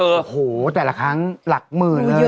โอ้โหแต่ละครั้งหลักหมื่นเลย